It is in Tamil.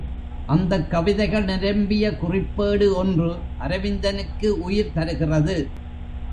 அந்தக் கவிதைகள் நிரம்பிய குறிப்பேடு ஒன்று அரவிந்தனுக்கு உயிர் தருகிறது.